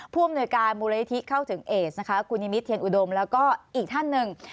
ผู้อำนวยการมูลนิธิเข้าถึงเอสนะคะคุณนิมิตเทียนอุดมแล้วก็อีกท่านหนึ่ง